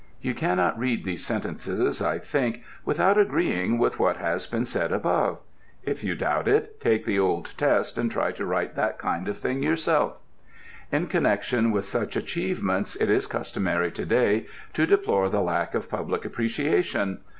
You cannot read these sentences, I think, without agreeing with what has been said above. If you doubt it, take the old test and try to write that kind of thing yourself. In connection with such achievements it is customary to day to deplore the lack of public appreciation.